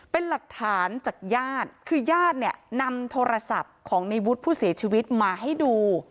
เป็นหลักฐานจากญาติคือญาติเนี่ยนำโทรศัพท์ของในวุฒิผู้เสียชีวิตมาให้ดู